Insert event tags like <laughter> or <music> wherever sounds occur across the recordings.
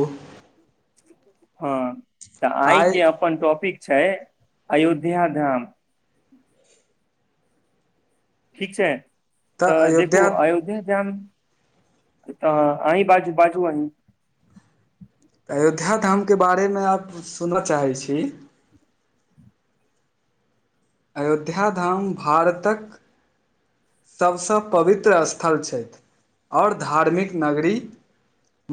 ओह। हॅ, तऽ आइ आयके अप्पन टॉपिक छैय, अयोध्या धाम। ठीक छै, तऽ देखू अयोध्याधाम तऽ अही बाजू -बाजू अही। अयोध्याधाम के बारे मे आब सुनअऽ चाहै छी। अयोध्याधाम भारतक, सब स पवित्र स्थल छै, और धार्मिक नगरी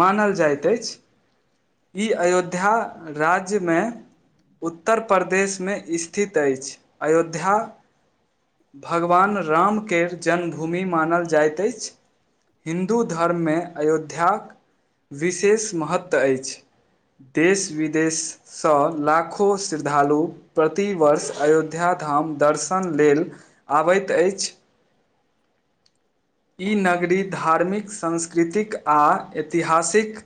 मानल जाइत अछि, इ अयोध्या राज्य मे उत्तरप्रदेश मे स्थित अछि, अयोध्या भगवान राम के जन्मभूमि मानल जाइत अैछ, हिन्दू धर्म मे अयोध्याक विशेष महत्व अैछ, देश -विदेश स लाखो श्रद्धालु, प्रतिवर्ष अयोध्याधाम दर्शन लेल आबैत अैछ। इ नगरी धार्मिक, सांस्कृतिक, आ ऐतिहासिक,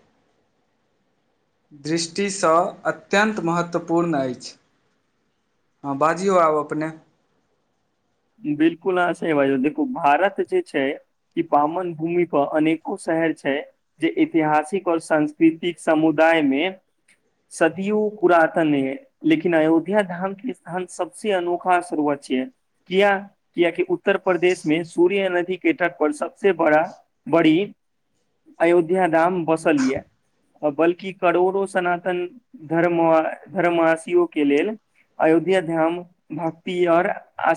दृष्टि स अत्यन्त महत्वपूर्ण अैछ। हॅ बाजियौ आब अपने। बिल्कुल आँहा सही बजलौ, देखू भारत जे छै इ पावन भूमि पर अनेको शहर छैय। जे ऐतिहासिक और सांस्कृतिक समुदाय मे, सदियो पुरातन नैए अहि। लेकिन अयोध्याधाम के स्थान सबसे अनोखा सर्वोच्चय छियै। किया, किया कि उत्तर प्रदेश मे सूर्य नदी के तट पर सबसे बड़ा बड़ी, अयोध्या धाम बसल या। बल्कि करोड़ो सनातन धर्म -धर्मवासियो के लेल अयोध्या धाम भक्ति और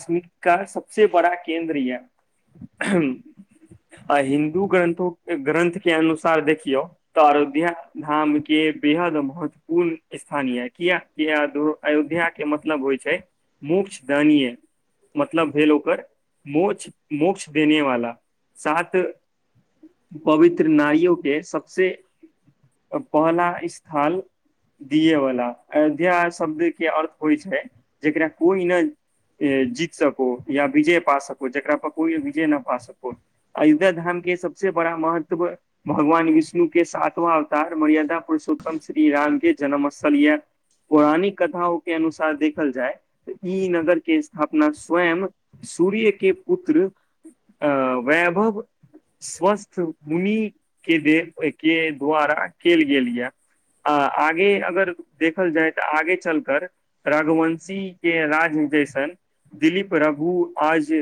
तिर्थ का सबसे बड़ा केंन्द्र या। घन आ हिन्दू ग्रन्थो- ग्रन्थ के अनुसार देखियौ, तऽ अरोध्या धाम के बेहद महत्वपूर्ण स्थान या। किया किया अधो-अयोध्या के मतलब होय छै, मुक्ष धनीय। मतलब भेल ओकर मोछ- मोक्ष देने वाला, सात पवित्र नइयो के सबसे पहना इस्थान दिये वला जे आहा शब्द के अर्थ होइ छै। जेकरा कोय नैय जी जीत सको या विजय पा सको जेकरा पर कोय विजय न पा सको। अयोध्या धाम के सबसे बड़ा महत्व भगवान विष्णु के सातवाँ अवतार मर्यादा पुरुषोत्तम श्री राम के जन्मस्थल ये। पौराणिक कथाओं के अनुसार देखल जाय तऽ इ नगर के अपना स्वयं सूर्य के पुत्र अ वैभव स्वस्थ मुनि के देल ओय के द्वारा केल गेल या। आ आगे अगर देखल जाय तऽ आगे चलकर रघुवंशी के राज निवेशन दिलीप रघु आज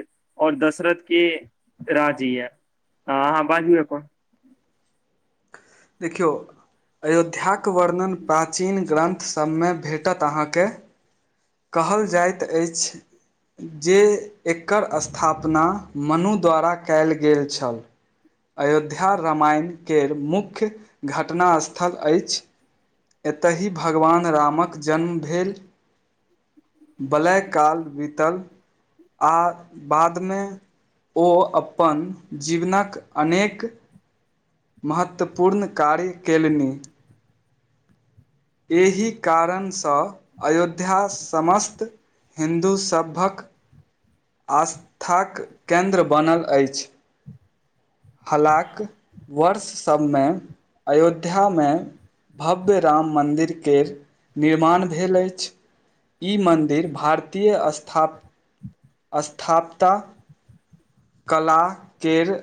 और दशरथ के राज ये। हाॅं हाॅं अहाँ बाजू अपन। देखियौ। अयोध्याक वर्णन प्राचीन ग्रन्थ सभमें भेटत अहाँके। कहल जाइत अछि। जे एकर स्थापना मनु द्वारा कैल गेल छल। अयोध्या रामायण केर मुख्य घटना स्थल ऐछ। एतहि भगवान रामक जन्म भेल। बलय काल बीतल आ बादमें। ओ अपन जीवनक अनेक। महत्वपूर्ण कार्य केलनि। एहि कारणसँ अयोध्या समस्त हिन्दू सभक। आस्थाक केन्द्र बनल एइछ। हलाक वर्ष सभमें। अयोध्यामें भव्य राम मन्दिरकेर निर्माण भेल एइछ। इ मन्दिर भारतीय स्थाप स्थाप्ता। कला केर।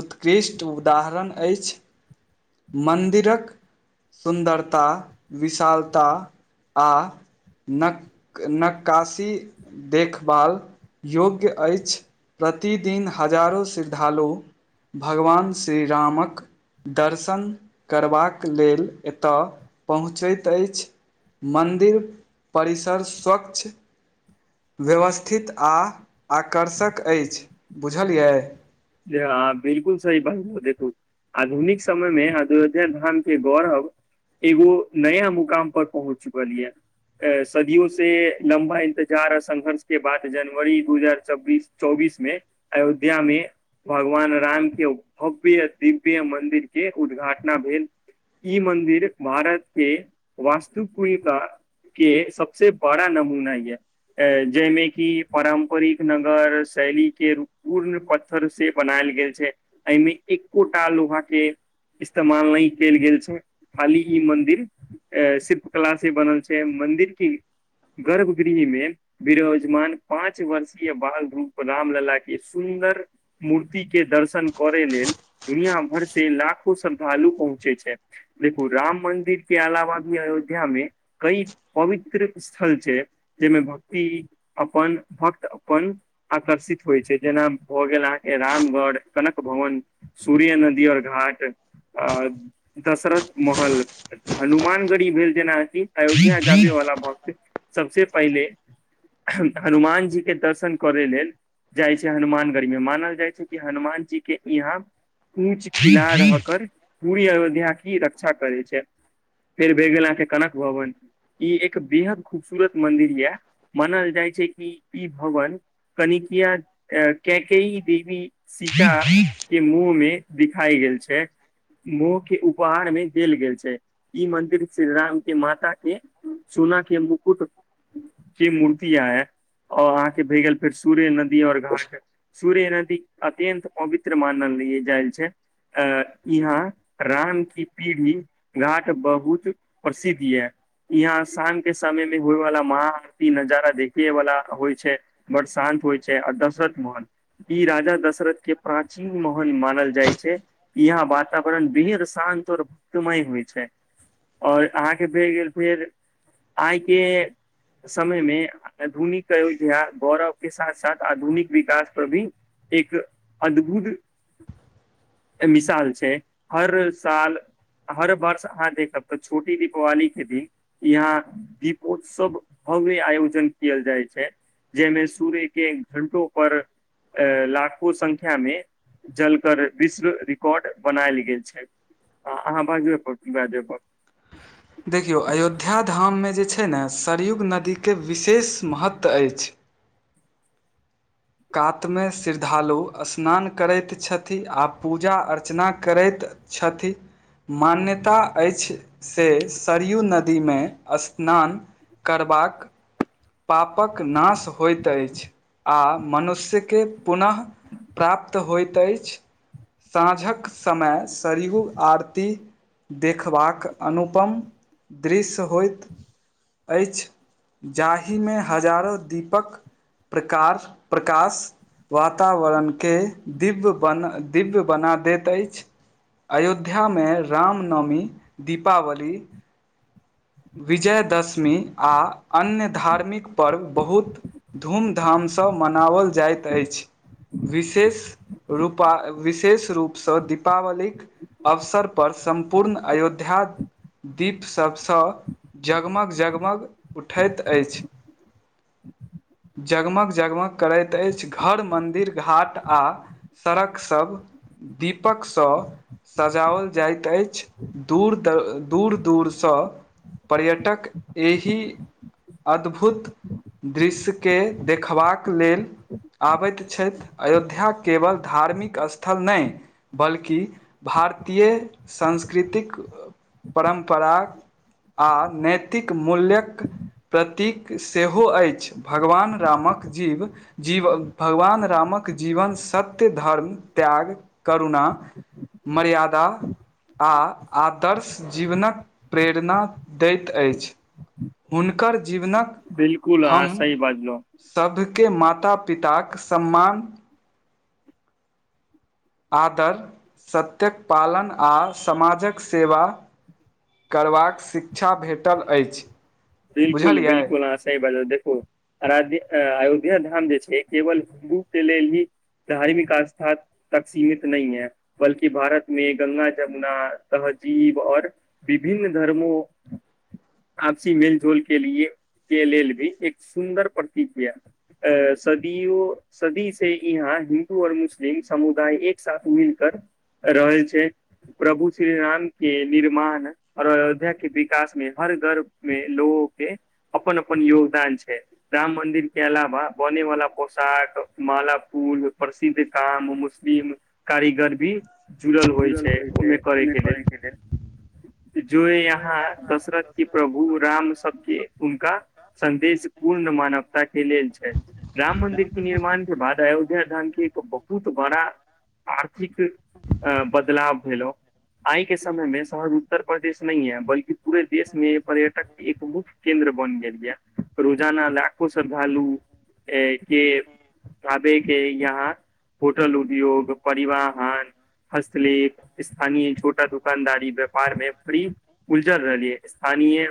उत्कृष्ट उदाहरण एइछ। मन्दिरक सुन्दरता विशालता आ। नक नक्काशी देखपाल। योग्य अछि प्रतिदिन हजारो श्रद्धालु। भगवान श्री रामक दर्श र्शन करबाक लेल एतय पहुँचैत एइछ। मन्दिर परिसर स्वच्छ व्यवस्थित आ आकर्षक अछि बुझलियै? से अहाॅं बिल्कुल सही बात बतेलू। आधुनिक समय में अयोध्या धान के गौरव। एगो नया मुकाम पर पहुँच चुकल या। सदियों से लम्बा इंतजार आ संघर्ष के बाद जनवरी दू हजार छब्बीस चौबीस में अयोध्या में भगवान राम के भव्य दिव्य मंन्दिर के उदघाटना भेल। इ मन्दिर भारत के वास्तुपुलिका के सबसे बड़ा नमूना ये। ऑं जाहिमे कि पारम्परिक नगर शैली के पूर्ण पथ थर से बनायल गेल छै एहिमे एकोटा लोहा के इस्तेमाल नहि केल गेल छैय खाली ई मन्दिर। ऑं शिल्पकला से बनल छैय मंन्दिर की गर्भगृह में बिराजमान पाँच वर्षीय बाल रूप रामलला के सुन्दर मूर्तिके दर्शन करैय लेल दुनिया भर से लाखो श्रद्धालु पहुँचे छैथ। देखू राम मंन्दिर के अलावा भी अयोध्या में कई पवित्र स्थल छैय जेमे भक्ति अपन भक्त अपन आकर्षित होइ छैय जेना भगेल अहाँके रामगढ़, कनक भवन, सूर्य नदी और घाट आ दशरथ महल, हनुमानगढ़ी भेल जेनाकि अयोध्या जाबे बुझलियै वाला भक्त सबसे पहिले हनुमान जीके दर्शन करे लेल जाइ छैय हनुमान गडी में मानल जाइ छैय कि हनुमान जी के इहाँ <unintelligible> रहकर पूरी अयोध्या की रक्षा करै छैय फेर भए गेल अहाँके कनक भवन ई एक बेहद खूबसूरत मंदिर या मानल जाय छैय कि इ भवन कनि कियाड कैकेई, देवी सीता के मुँह में दिखाई गेल छैय, मुँह के उपहार मे देल गेल छैय। ई मंदिर श्री रामके माताके सोनाके मुकुट के मूर्ति आये, और अ अहाँके भए गेल फेर सूर्य नदी और घाट। सूर्य नदी अत्यन्त पवित्र मानलयै जाय छैय। अ इहाँ राम की पीढ़ी घाट बहुत प्रसिद्ध ये। इहाँ शामके समयमे होएवाला महा आरती नजारा देखे वाला होइ छैय। बड़ शान्त होइ छैय आ दशरथ महल ई राजा दशरथ के प्राचीन महल मानल जाइ छैय। इहाँ वातावरण भेर शान्त और भक्तिमय होइ छैय। आओर अहाँके भेए गेल फेर आइके समयमे आधुनिक अयोध्या गौरवके साथ- साथ आधुनिक विकास प्रदीम एक अद्भुत मिसाल छैय। हर साल हर वर्ष अहाँ देखब, तऽ छोटी दीपावली के दिन इहाँ दीपोत्सव भव्य आयोजन केयल जाय छैय। जेहिमे सूर्य के घंटो पर ए--लाखो संख्या मे जलकर विश्व रिकॉर्ड बनायल गेल छैय। हॅ अहाँ बाजुये पर <unintelligible> देखियौ अयोध्या धाममे जे छैय ने, सरयुग नदी के विशेष महत्त्व अइछ। कातमे श्रद्धालु स्नान करैत छथि, आ पूजा अर्चना करैत छथि। मान्यता अइछ से सरयू नदीमे स्नान करबाक पापक नाश होइत अइछ, आ मनुष्य के पुनः प्राप्त होइत अछि। साँझक समय सरयू आरती देखबाक अनुपम दृश्य होइत अइछ, जाहिमे हजारो दीपक प्रकार प्रकाश वातावरण के दिव्य बन -दिव्य बना देत अछि। अयोध्या मे रामनवमी, दीपावली- विजयदशमी आ अन्य धार्मिक पर्व बहुत- धूम- धाम सँ मनाओल जाइत अछि। विशेष रूपा -विशेष रूप सँ दीपावलीक- अवसर पर सम्पूर्ण अयोध्या दीप सभ सँ- जगमग जगमग उठैत अछि। जगमग जगमग करैत अछि घर मन्दिर घाट आ, सड़क सभ दीपक सँ- सजाओल जाइत अछि दूर- दर- दूर- दूर स- पर्यटक एहि अद्भुत- दृश्य के देखबाक लेल- आबैत छथि अयोध्या केवल धार्मिक स्थल नहि। बल्कि भारतीय संस्कृतिक -परम्परा- आ नैतिक मूल्य्यक- प्रतीक सेहो अछि, भगवान रामक जीव- जीव भगवान रामक जीवन सत्य, धर्म, त्याग, करुणा, मर्यादा आ आदर्श जीवनक प्रेरणा- दैत अछि। हुनकर जीवनक बिलकुल अहाँ हम- सही बाजलहुँ सभके माता पिताक सम्मान- आदर सत्यक पालन आ समाजक सेवा- करबाक शिक्षा भेटल अछि। बिलकुल- बुझलियै बिलकुल अहां सही बाजल। देखू- अराध्या आ-अयोध्या धाम जे छै केवल उ के लेल ही धार्मिक आस्था- तक सीमित नहि है, बल्कि भारत मे गङ्ंगा जमुना तहजीब और- विभिन्न धर्मो, आपसी मेल- झोल के लिए के लेल भी एक सुन्दर प्रतीकिया अ- सदियो- सदी से इहाँ हिन्दू और मुस्लिम समुदाय एक साथ मिलकर- रहय छै। प्रभु श्री राम के निर्माण और अयोध्या के विकास मे हर घर मे- लोगो के, अपन अपन योगदान छै। राम मंदिर के अलावा बने वाला पोशाक, माला, फूल प्रसिद्ध काम, मुस- फ्री में कारीगर भी जुड़ल- होइ छै ओहिमे करैके लेल जो यहाँ दशरथके- प्रभु राम सबके हुनका सन्देश पूर्ण मानवता के लेल छै। राम मन्दिर के निर्माण के बाद अयोध्या धाम के एक बहुत बड़ा- आर्थिक अ -बदलाव भेलौ। आइ के समय में सहज उत्तर प्रदेश नय है, बल्कि पूरे देश में पर्यटक- एक मुख्य केंन्द्र बन गेल ये रोजाना लाखो श्रद्धालु- अय के- आबेके यहाँ होटल उद्योग, परिवहन- हस्तलेख स्थानीय छोटा दुकानदारी व्यापार मे फ़्री- उलझल रहलियै। स्थानीय-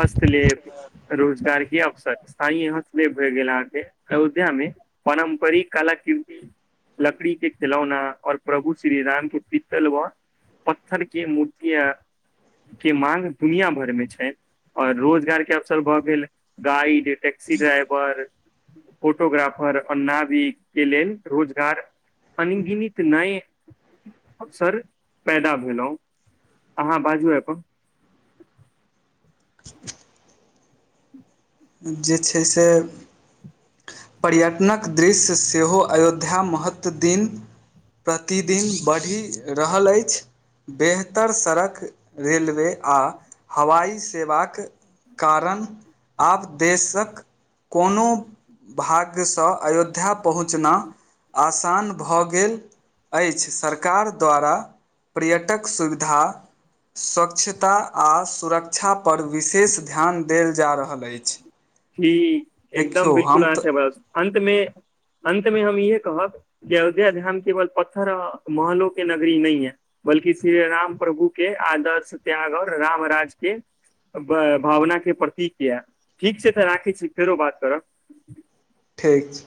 फस्तलेप- रोजगार के अवसर स्थायी <unintelligible> भए गेल अहाँके अयोध्या में। पारम्परिक कला कीर्ति लकड़ी के खेलौना औ प्रभु श्री राम के पित्तल व- पत्थर के मूर्तिया के माँग दुनिया भर मे छै ओर रोजगार के अवसर भ गेल गाइड टैक्सी ड्राइवर फोटोग्राफर अ ना भी के लेल रोजगार अनगिणित नैय अबसर पैदा भेलउ अहाँ बाजू आब <inaudible> जे छै से पर्यटनक दृश्य सेहो अयोध्या महत्त्व दिन प्रतिदिन बढ़ि रहल अछि। बेहतर सड़क रेलवे आ हवाई सेवाक कारण आब देशक कोनो भाग्य स अयोध्या पहुँचना आसान भऽ गेल अइछ सरकार द्वारा पर्यटक सुविधा स्वच्छता आ सुरकक्षा पर विशेष ध्यान देल जा रहल अछि। ठीक एकदम देखियौ बिलकुल हम आहाँ तऽ सब <unintelligible> अन्त मे अन्त मे हम इहै कहब कि अयोध्या ध्यान केवल पत्थर आ महलो के नगरी नय यै बल्कि श्री राम प्रभु के आदर्श त्याग और राम राज के बैय भावना के प्रतीक यै ठीक छै तऽ राखै छी फेरो बात करब। ठीक छै